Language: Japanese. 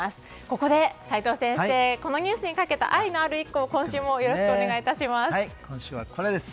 ここで齋藤先生このニュースにかけた愛のある一句を今週もよろしくお願いいたします。